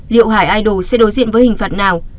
liệu hải idol sẽ đối diện với hình phạt nào